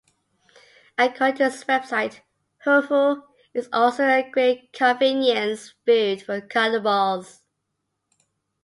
According to its website, hufu is also a great convenience food for cannibals.